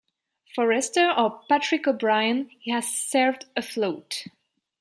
Forester or Patrick O'Brian, he has served afloat.